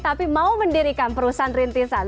tapi mau mendirikan perusahaan rintisan